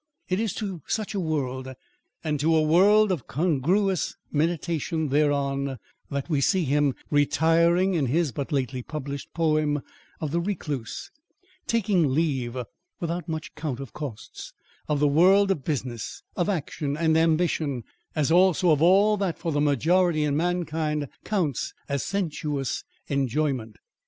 It is to such a world, and to a world of congruous meditation thereon, that we see him retiring in his but lately published poem of The Recluse taking leave, without much count of costs, of the world of business, of action and ambition; as also of all that for the majority of mankind counts as sensuous enjoyment.